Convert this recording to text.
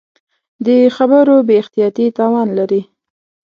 د خبرو بې احتیاطي تاوان لري